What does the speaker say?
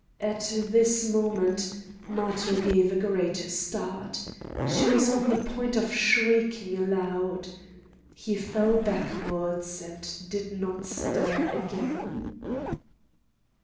At this moment Matho gave a great start; she was on the point of shrieking aloud. He fell backwards and did not stir again.